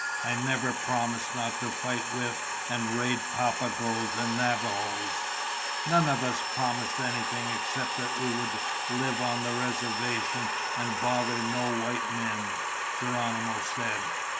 I never promised not to fight with and raid Papagoes and Navajos!" "None of us promised anything except that we would live on the reservation and bother no white men," Geronimo said.